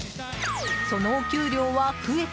そのお給料は増えた？